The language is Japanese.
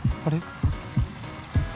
あれ？